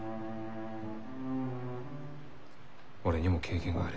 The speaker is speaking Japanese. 俺にも経験がある。